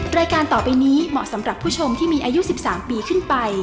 รายการต่อไปนี้เหมาะสำหรับผู้ชมที่มีอายุ๑๓ปีขึ้นไป